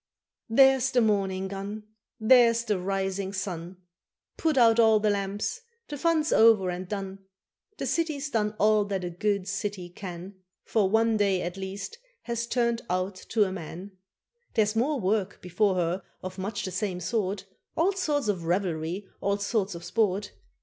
There's the morning gun! There's the rising sun! Put out all the lamps the fun's over and done. The city's done all that a good city can, For one day, at least, has turned out to a man. There's more work before her of much the same sort, All sorts of revelry, all sorts of sport.